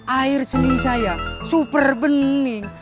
air seni saya super bening